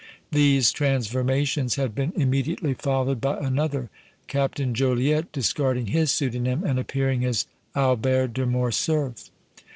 These transformations had been immediately followed by another, Captain Joliette discarding his pseudonym and appearing as Albert de Morcerf.